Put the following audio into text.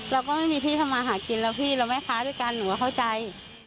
เราก็ไม่มีที่ทำมาหากินแล้วพี่แล้วแม่ค้าด้วยกันหนูก็เข้าใจ